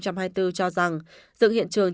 cho rằng dựng hiện trường